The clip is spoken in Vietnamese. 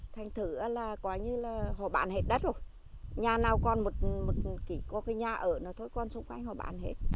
thành thử là có như là họ bán hết đất rồi nhà nào còn một kỷ có cái nhà ở thì thôi còn xung quanh họ bán hết